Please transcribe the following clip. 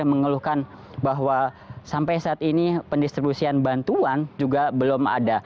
mengeluhkan bahwa sampai saat ini pendistribusian bantuan juga belum ada